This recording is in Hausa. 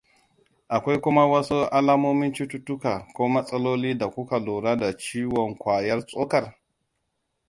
akwai kuma wasu alamomin cututtuka ko matsaloli da kuka lura da ciwon ƙwayar tsokar?